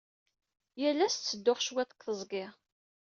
Yal ass ttedduɣ cwiṭ deg teẓgi.